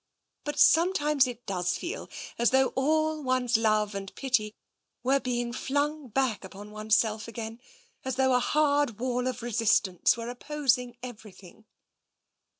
But sometimes it does feel as though all one's love and pity were being flung back upon oneself again, as though a hard wall of resistance were oppos ing everything."